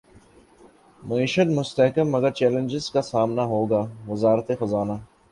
معیشت مستحکم مگر چیلنجز کا سامنا ہوگا وزارت خزانہ